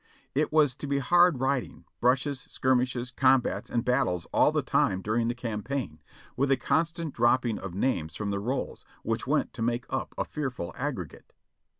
It was to be hard riding, brushes, skirmishes, combats and battles all the time during the campaign, with a constant dropping of names from the rolls, which went to make up a fear ful aggregate.